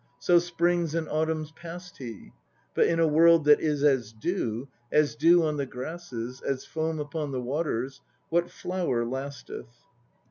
So springs and autumns passed he. But in a World that is as dew, As dew on the grasses, as foam upon the waters, What flower lasteth?